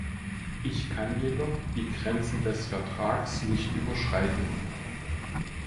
Ich kann jedoch die Grenzen des Vertrags nicht überschreiten.